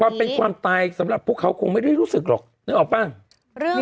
ความเป็นความตายสำหรับพวกเขาคงไม่ได้รู้สึกหรอกนึกออกป่ะ